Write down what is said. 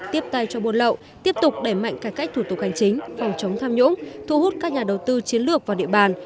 tiếp tay cho buôn lậu tiếp tục đẩy mạnh cải cách thủ tục hành chính phòng chống tham nhũng thu hút các nhà đầu tư chiến lược vào địa bàn